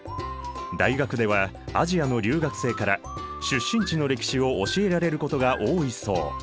大学ではアジアの留学生から出身地の歴史を教えられることが多いそう。